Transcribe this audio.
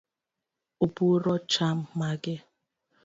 Upuro cham mage?